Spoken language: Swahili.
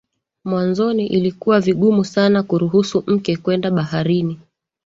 Mwanzoni ilikuwa vigumu sana kuruhusu mke kwenda baharini